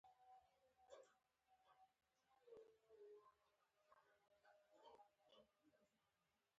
په افغانستان کې لعل د خلکو د اعتقاداتو سره تړاو لري.